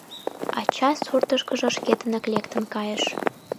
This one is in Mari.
Ача суртышкыжо шкетынак лектын кайыш.